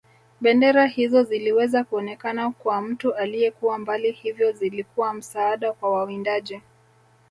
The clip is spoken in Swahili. Bendera hizo ziliweza kuonekana kwa mtu aliyekuwa mbali hivyo zilikuwa msaada kwa wawindaji